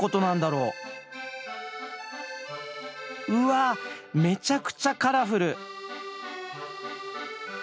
うわめちゃくちゃカラフル！